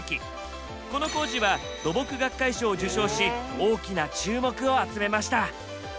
この工事は土木学会賞を受賞し大きな注目を集めました。